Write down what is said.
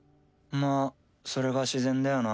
まっそれが自然だよな。